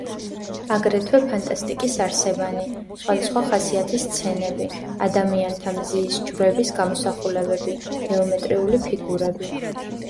აგრეთვე ფანტასტიკის არსებანი, სხვადასხვა ხასიათის სცენები, ადამიანთა, მზის, ჯვრების გამოსახულებები, გეომეტრიული ფიგურები.